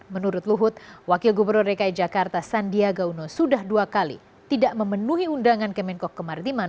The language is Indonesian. menurut luhut wakil gubernur dki jakarta sandiaga uno sudah dua kali tidak memenuhi undangan kemenko kemaritiman